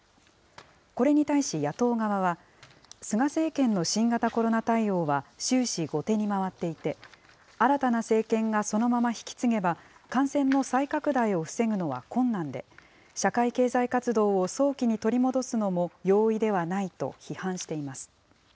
これに対し野党側は、菅政権の新型コロナ対応は終始後手に回っていて、新たな政権がそのまま引き継げば、感染の再拡大を防ぐのは困難で、社会経済活動を早期に取り戻すのも容易ではないと批判しています。